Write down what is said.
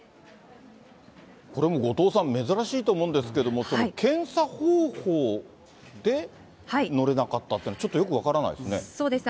これも後藤さん、珍しいと思うんですけれども、検査方法で乗れなかったっていうのは、ちょっとよく分からないでそうですね。